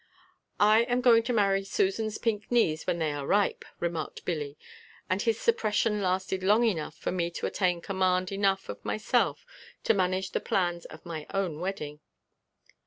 "I am going to marry Susan's pink knees when they are ripe," remarked Billy and his suppression lasted long enough for me to attain command enough of myself to manage the plans of my own wedding.